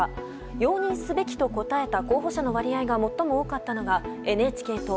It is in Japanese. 容認すべきと答えた候補者の割合が最も多かったのがＮＨＫ党。